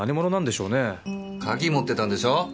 鍵持ってたんでしょ？